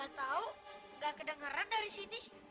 ga tau ga kedengeran dari sini